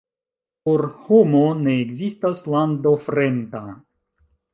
Por homo ne ekzistas lando fremda.